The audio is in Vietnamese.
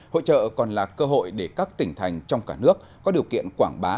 hội trợ còn là cơ hội để các tỉnh thành trong cả nước có điều kiện quảng bá